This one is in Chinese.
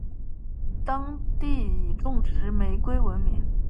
当地以种植玫瑰闻名。